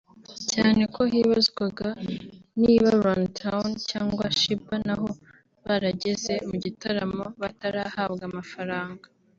cyane ko hibazwaga niba RunTown cyangwa Sheebah nabo barageze mu gitaramo batarahabwa amafaranga